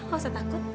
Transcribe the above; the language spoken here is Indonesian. tidak usah takut